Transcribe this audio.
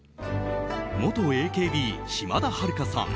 元ＡＫＢ、島田晴香さん。